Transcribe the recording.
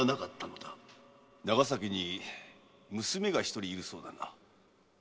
〔長崎に娘がひとりいるそうだな〕